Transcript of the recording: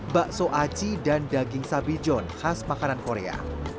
bakso aci dan daging sabijon khas makanan korea